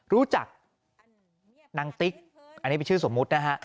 รู้จักนางติ๊กอันนี้เป็นชื่อสมมุตินะฮะ